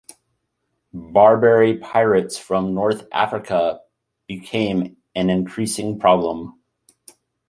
Barbary pirates from North Africa became an increasing problem.